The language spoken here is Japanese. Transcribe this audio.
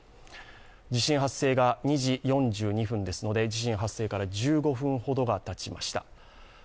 地震発生が２時４２分ですので地震発生から１５分ほどがたちました。